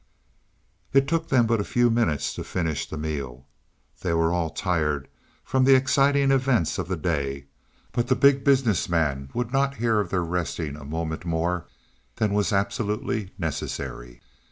It took them but a few minutes to finish the meal. They were all tired from the exciting events of the day, but the Big Business Man would not hear of their resting a moment more than was absolutely necessary.